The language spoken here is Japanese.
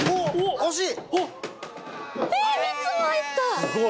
惜しい！